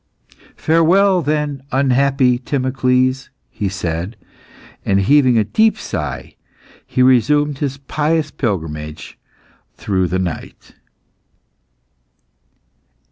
"Farewell, then, unhappy Timocles," he said; and heaving a deep sigh, he resumed his pious pilgrimage through the night.